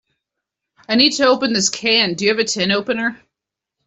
I need to open this can. Do you have a tin opener?